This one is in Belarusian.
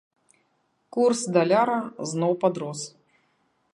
Курс даляра зноў падрос.